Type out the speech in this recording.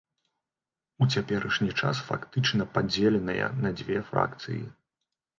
У цяперашні час фактычна падзеленая на дзве фракцыі.